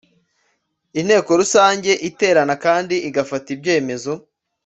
Inteko Rusange iterana kandi igafata ibyemezo